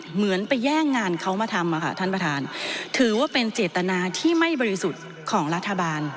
เหมือนไปแย่งงานเขามาทำค่ะท่านประธานถือว่าเป็นเจตนาที่ไม่บริสุทธิ์ของรัฐบาล